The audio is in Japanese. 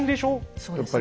そうですね。